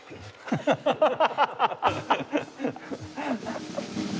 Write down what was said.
ハハハハハ。